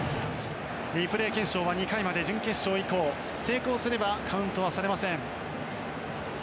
リプレイ検証は２回まで準決勝以降成功すればカウントはされません。